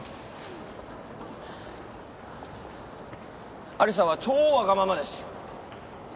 有沙は超わがままです。